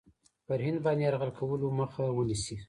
پر هند باندي یرغل کولو مخه ونیسي.